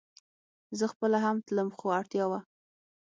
زه خپله هم تلم خو اړتيا وه